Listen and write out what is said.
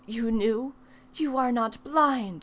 you knew? you are not blind!